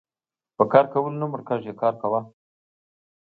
په کار کولو نه مړکيږي کار کوه .